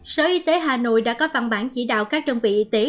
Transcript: sở y tế hà nội đã có phần bản chỉ đạo các trung vị y tế